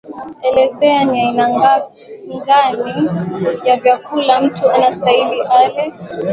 elezea ni aina ngani ya vyakula mtu anastahili ale